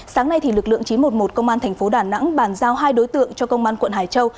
sáng nay lực lượng chín trăm một mươi một công an thành phố đà nẵng bàn giao hai đối tượng cho công an quận hải châu